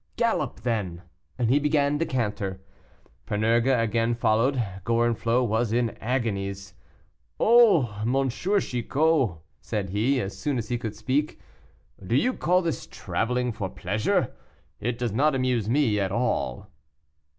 "Gallop then!" and he began to canter. Panurge again followed; Gorenflot was in agonies. "Oh, M. Chicot!" said he, as soon as he could speak, "do you call this traveling for pleasure? It does not amuse me at all."